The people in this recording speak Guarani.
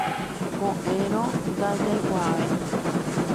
Ko'ẽrõ ndajaikuaái